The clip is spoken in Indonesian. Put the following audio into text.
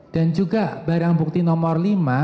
dan juga barang bukti nomor lima